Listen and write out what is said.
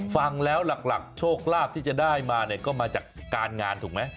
ฟังแล้วหลักโชคลาภที่จะได้มาเนี่ยก็มาจากการงานถูกไหม